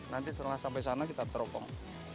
nanti setelah sampai sana kita teropong